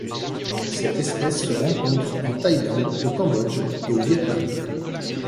Cette espèce se rencontre en Thaïlande, au Cambodge et au Viêt Nam.